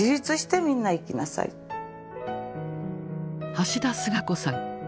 橋田壽賀子さん。